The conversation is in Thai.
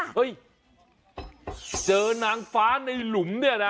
เฮ้ยเจอนางฟ้าในหลุมเนี่ยนะ